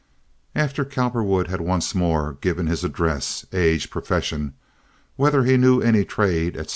After Cowperwood had once more given his address, age, profession, whether he knew any trade, etc.